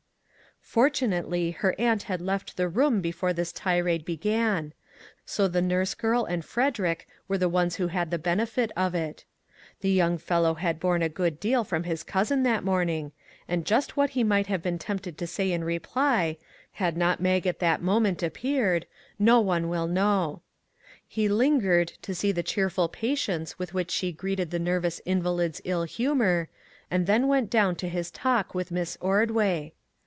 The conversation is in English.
Fortunately her aunt had left the room be fore this tirade began; so the nurse girl and Frederick were the ones who had the benefit of it. The young fellow had borne a good deal from his cousin that morning, and just what he might have been tempted to say in reply, had not Mag at that moment appeared, no one 290 "WHAT MADE YOU CHANGE?" will know. He lingered to see the cheerful pa tience with which she greeted the nervous in valid's ill humor, and then went down to his talk with Miss Ordway.